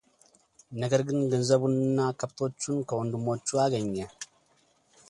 ነገር ግን ገንዘቡንና ከብቶቹን ከወንድሞቹ አገኘ፡፡